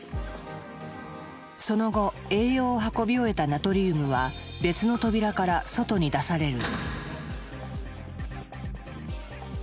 その後栄養を運び終えたナトリウムは別の扉から外に出される。